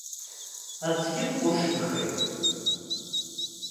Аӡәгьы дҟәышымхеит.